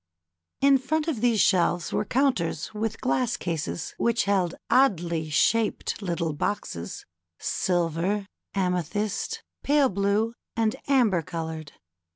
In front of these shelves were counters with glass cases, which held oddly shaped lit tle boxes, silver, amethyst, pale blue, and amber colored.